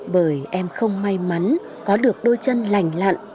bởi em không may mắn có được đôi chân lành lặn